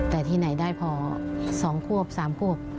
แต่ที่ไหนได้พอ๒ควบ๓ควบ